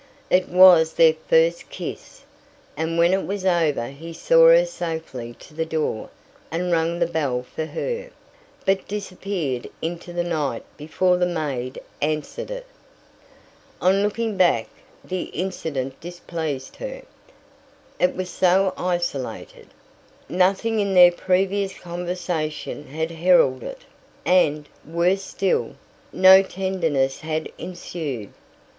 It was their first kiss, and when it was over he saw her safely to the door and rang the bell for her, but disappeared into the night before the maid answered it. On looking back, the incident displeased her. It was so isolated. Nothing in their previous conversation had heralded it, and, worse still, no tenderness had ensued.